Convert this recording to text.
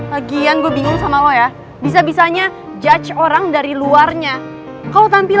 lagi yang gue bingung sama lo ya bisa bisanya judge orang dari luarnya kalau tampilan pak salman kayak gitu belum tentu hanya takut